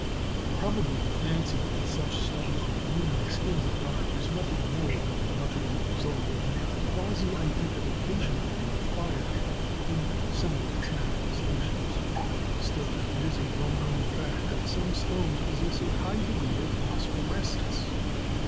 Probably the fancy that such stones were luminous in the dark was nothing more than the logical result of the quasi identification of them with fire in some of its manifestations. Still, it is a well known fact that some stones possess a high degree of phosphorescence.